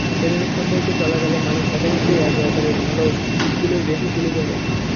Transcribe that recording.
প্রেমের সম্পর্ক চলাকালে মানুষ সাধারণত একে অপরের ভালো দিকগুলোই বেশি তুলে ধরে।